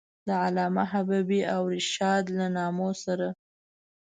د علامه حبیبي او رشاد له نامو سره.